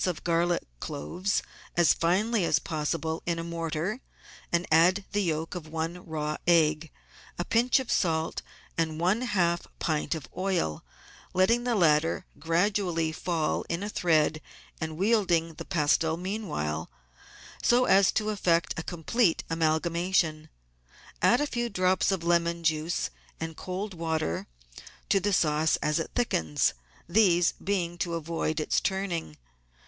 of garlic cloves as finely as possible in a mortar, and add the yolk of one raw egg, a pinch of salt, and one half pint of oil, letting the latter gradually fall in a thread and wielding the pestle meanwhile, so as to effect a complete amalgamation. Add a few drops of lemon juice and cold water to the sauce as it thickens, these being to avoid its turning.